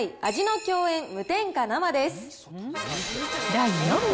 第４位。